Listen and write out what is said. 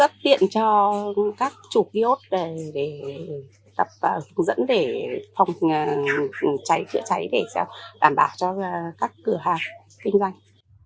rất tiện cho các chủ ký ốt để tập và hướng dẫn để phòng cháy chữa cháy để đảm bảo cho các cửa hàng kinh doanh